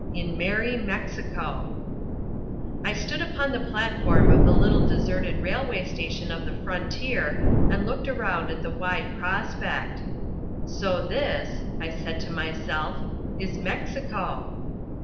In Merry Mexico I stood upon the platform of the little deserted railway station of the frontier and looked around at the wide prospect. "So this," I said to myself, "is Mexico!"